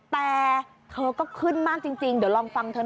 แต่เธอก็ขึ้นมากจริงเดี๋ยวลองฟังเธอหน่อย